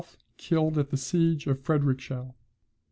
killed at the siege of Frederickshall.